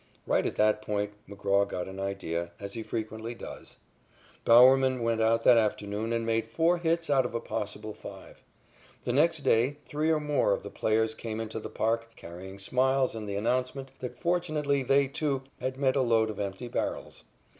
Right at that point McGraw got an idea, as he frequently does. Bowerman went out that afternoon and made four hits out of a possible five. The next day three or four more of the players came into the park, carrying smiles and the announcement that fortunately they, too, had met a load of empty barrels.